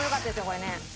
これね。